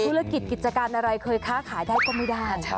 ธุรกิจกิจการอะไรเคยค้าขายได้ก็ไม่ได้